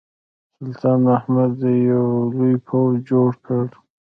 سلطان محمود یو لوی پوځ جوړ کړ.